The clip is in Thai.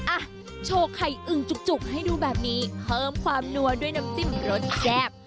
อ่ะโชว์ไข่อึ่งจุกให้ดูแบบนี้เพิ่มความนัวด้วยน้ำจิ้มรสแซ่บ